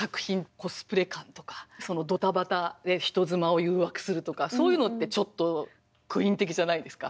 コスプレ感とかドタバタで人妻を誘惑するとかそういうのってちょっとクイーン的じゃないですか。